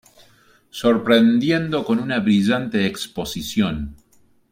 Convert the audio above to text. sorprendiendo con una brillante exposición